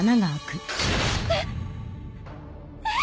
えっ！？